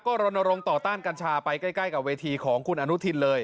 ก็รณรงค์ต่อต้านกัญชาไปใกล้กับเวทีของคุณอนุทินเลย